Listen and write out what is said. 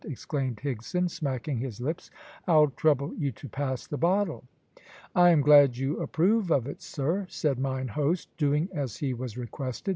exclaimed Higson, smacking his lips. "I'll trouble you to pass the bottle." "I am glad you approve of it, sir," said mine host, doing as he was requested.